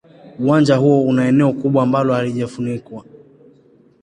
Uwanja huo una eneo kubwa ambalo halijafunikwa.